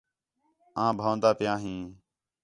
آں بھن٘ؤاندا پیاں ہیں